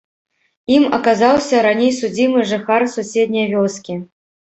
Ім аказаўся раней судзімы жыхар суседняй вёскі.